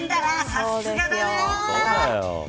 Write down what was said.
さすがだな。